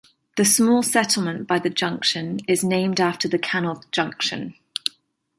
The small settlement by the junction is named after the canal junction.